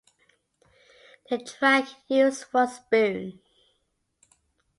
The track used was "Spoon".